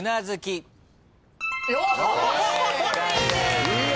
正解です。